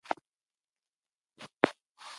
لار د دوړو له امله وتړل شوه.